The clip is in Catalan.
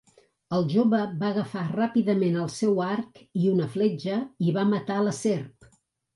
El jove va agafar ràpidament el seu arc i una fletxa i va matar la serp.